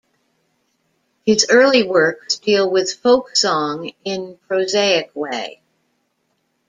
His early works deal with folksong in prosaic way.